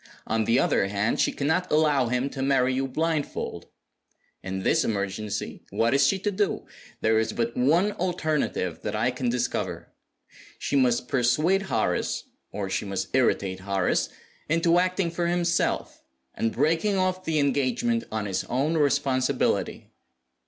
On the other hand, she cannot allow him to marry you blindfold. In this emergency what is she to do? There is but one alternative that I can discover. She must persuade Horace (or she must irritate Horace) into acting for himself, and breaking off the engagement on his own responsibility."